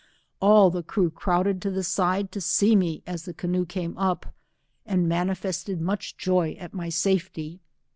All the crew crowded to the side to see me as the canoe came up, and manifested much joy at my safety.